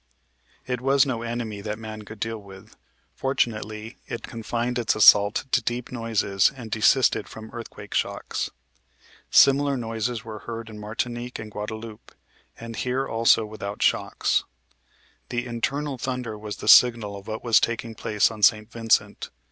It was no enemy that man could deal with. Fortunately, it confined its assault to deep noises, and desisted from earthquake shocks. Similar noises were heard in Martinique and Guadeloupe, and here also without shocks. The internal thunder was the signal of what was taking place on St. Vincent.